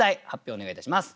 お願いいたします。